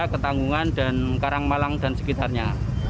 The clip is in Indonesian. ketanggungan dan karang malang dan sekitarnya